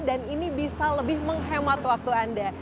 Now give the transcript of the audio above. dan ini bisa lebih menghemat waktu anda